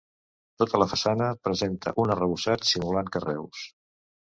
Tota la façana presenta un arrebossat simulant carreus.